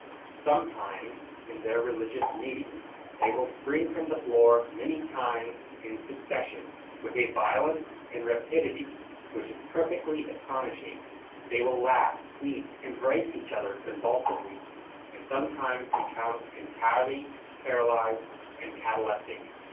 Sometimes, in their religious meetings, they will spring from the floor many times in succession, with a violence and rapidity which is perfectly astonishing. They will laugh, weep, embrace each other convulsively, and sometimes become entirely paralyzed and cataleptic.